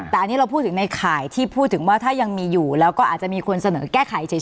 แต่อันนี้เราพูดถึงในข่ายที่พูดถึงว่าถ้ายังมีอยู่แล้วก็อาจจะมีคนเสนอแก้ไขเฉย